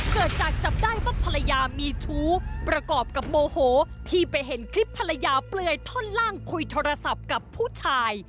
เกิดจากจับได้ว่าภรรยามีชู้ประกอบกับโมโหที่ไปเห็นคลิปภรรยาเปลือยท่อนล่างคุยโทรศัพท์กับผู้ชาย